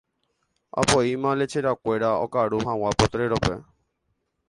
Apoíma lecherakuéra okaru hag̃ua potrero-pe.